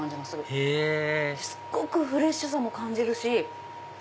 へぇすごくフレッシュさも感じるし。